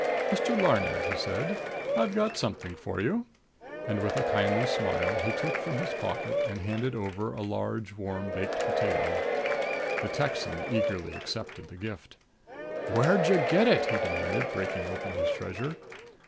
"Mr. Larned," he said, "I've got something for you." And, with a kindly smile, he took from his pocket and handed over a large, warm baked potato. The Texan eagerly accepted the gift. "Where'd you get it?" he demanded, breaking open his treasure.